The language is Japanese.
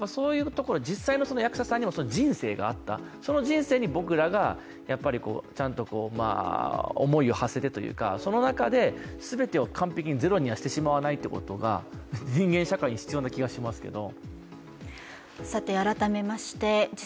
実際の役者さんにも人生があった、その人生に僕らがちゃんと思いを馳せるというかその中で全てを完璧にゼロにはしてしまわないということが人間社会に必要な気がしますけど。